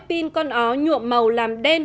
pin con ó nhuộm màu làm đen